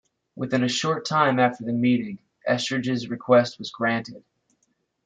Within a short time after the meeting, Estridge's request was granted.